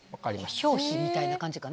表皮みたいな感じかな。